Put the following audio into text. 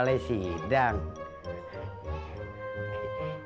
kalau els officers sama si teh